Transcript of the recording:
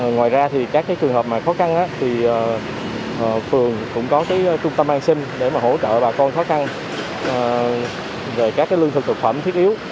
ngoài ra thì các cái trường hợp mà khó khăn thì phường cũng có cái trung tâm an sinh để mà hỗ trợ bà con khó khăn về các cái lương thực thực phẩm thiết yếu